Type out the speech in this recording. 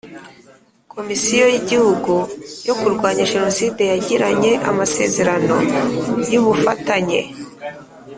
Komisiyo y Igihugu yo kurwanya Jenoside yagiranye amasezerano y ubufatanye